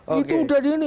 itu sudah diundang